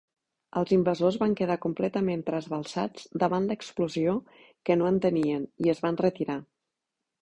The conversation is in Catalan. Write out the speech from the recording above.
Els invasors van quedar completament trasbalsats davant l'explosió, que no entenien, i es van retirar.